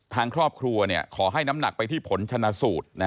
ทางครอบครัวขอให้น้ำหนักไปที่ผลชนะสูตร